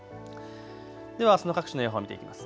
ではあすの各地の予報見ていきます。